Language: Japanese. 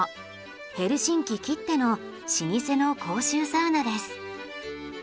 ヘルシンキきっての老舗の公衆サウナです。